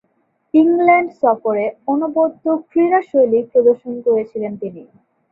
England সফরে অনবদ্য ক্রীড়াশৈলী প্রদর্শন করেছিলেন তিনি।